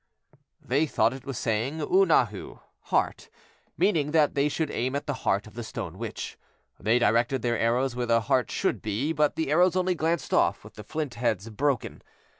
They thought it was saying u'nahu', heart, meaning that they should aim at the heart of the stone witch. They directed their arrows where the heart should be, but the arrows only glanced off with the flint heads broken.